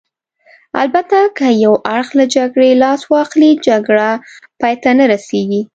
البته که یو اړخ له جګړې لاس واخلي، جګړه پای ته نه رسېږي.